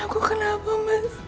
aku kenapa mas